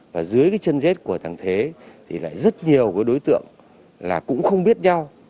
và dưới cái chân dết của thằng thế thì lại rất nhiều đối tượng là cũng không biết nhau